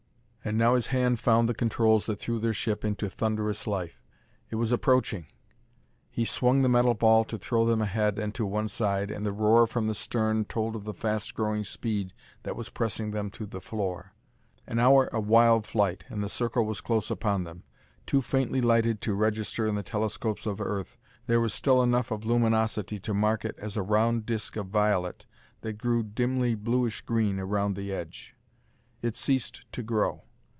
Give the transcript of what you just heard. And now his hand found the controls that threw their ship into thunderous life. It was approaching! He swung the metal ball to throw them ahead and to one side, and the roar from the stern told of the fast growing speed that was pressing them to the floor.... An hour of wild flight, and the circle was close upon them. Too faintly lighted to register in the telescopes of Earth, there was still enough of luminosity to mark it as a round disc of violet that grew dimly bluish green around the edge. It ceased to grow.